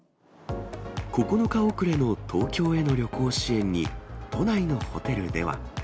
９日遅れの東京への旅行支援に、都内のホテルでは。